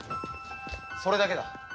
それだけだ。